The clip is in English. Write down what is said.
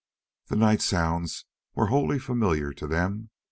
The night sounds were wholly familiar to them.